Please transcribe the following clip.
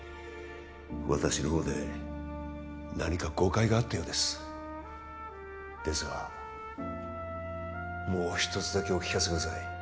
私の方で何か誤解があったようですですがもう一つだけお聞かせください